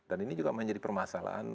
dan ini juga menjadi permasalahan